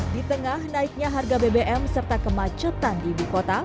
di tengah naiknya harga bbm serta kemacetan di ibu kota